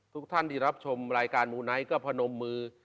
ทุกท่านที่รับชมรายการมูไนท์ก็พนมมือ